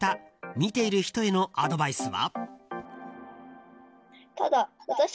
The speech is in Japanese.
見ている人へのアドバイスは。